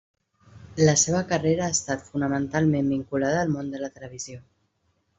La seva carrera ha estat fonamentalment vinculada al món de la televisió.